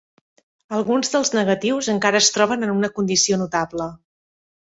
Alguns dels negatius encara es troben en una condició notable.